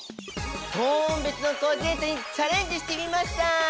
トーン別のコーディネートにチャレンジしてみました。